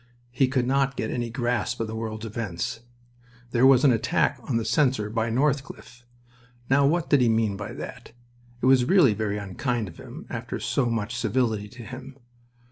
He could not get any grasp of the world's events. There was an attack on the censor by Northcliffe. Now what did he mean by that? It was really very unkind of him, after so much civility to him.